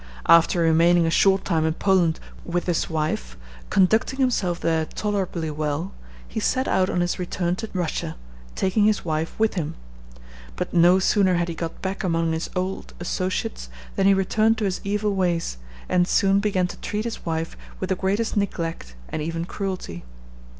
After remaining a short time in Poland with his wife, conducting himself there tolerably well, he set out on his return to Russia, taking his wife with him. But no sooner had he got back among his old associates than he returned to his evil ways, and soon began to treat his wife with the greatest neglect and even cruelty.